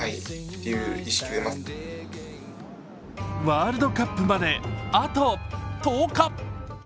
ワールドカップまであと１０日。